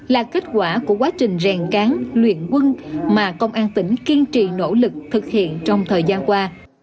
là kết quả của quá trình rèn cán luyện quân mà công an tỉnh kiên trì nỗ lực thực hiện trong thời gian qua